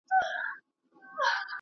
د ده په ژوند کې ډېر بدلونونه راغلي وو.